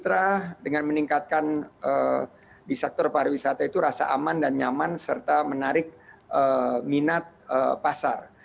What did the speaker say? kontra dengan meningkatkan di sektor pariwisata itu rasa aman dan nyaman serta menarik minat pasar